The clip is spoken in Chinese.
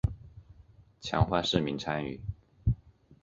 强化市民参与